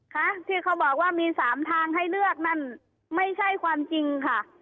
ค่ะที่เขาบอกว่ามีสามทางให้เลือกนั่นไม่ใช่ความจริงค่ะ